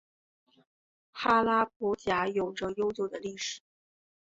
哈拉卜贾有着悠久的历史。